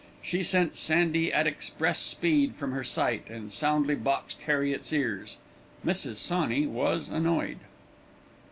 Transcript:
She sent Sandy at express speed from her sight, and soundly boxed Harriet's ears. Mrs. Sawney was annoyed.